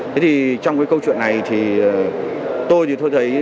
thế thì trong cái câu chuyện này thì tôi thì tôi thấy